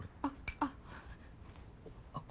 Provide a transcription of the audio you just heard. あっあっ。